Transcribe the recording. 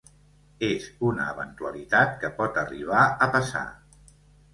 És una eventualitat que pot arribar a passar.